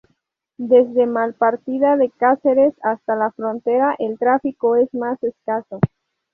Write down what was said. Desde Malpartida de Cáceres hasta la frontera el tráfico es más escaso.